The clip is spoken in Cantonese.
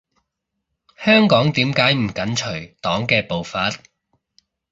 香港點解唔緊隨黨嘅步伐？